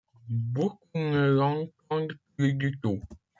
Beaucoup ne l’entendent plus du tout.